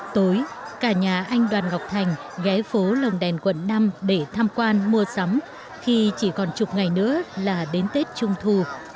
tối cả nhà anh đoàn ngọc thành ghé phố lồng đèn quận năm để tham quan mua sắm khi chỉ còn chục ngày nữa là đến tết trung thu